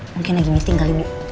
mungkin lagi meeting kali bu